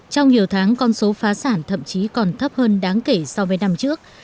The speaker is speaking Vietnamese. trong nhiều tháng con số phá sản thậm chí còn thấp hơn đáng kể so với năm trước